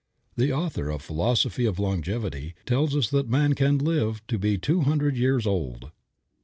The author of "Philosophy of Longevity" tells us that man can live to be two hundred years old.